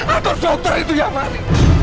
atau dokter itu yang mati